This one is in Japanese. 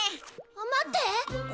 待って。